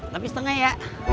lebih setengah ya